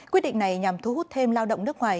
quyết định này nhằm thu hút thêm lao động nước ngoài